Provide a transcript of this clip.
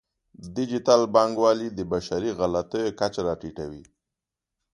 ډیجیټل بانکوالي د بشري غلطیو کچه راټیټوي.